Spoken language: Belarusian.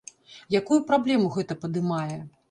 Якую праблему гэта падымае?